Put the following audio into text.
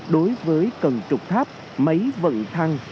đối với cần trục tháp máy vận thăng